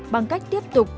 bằng cách tiếp tục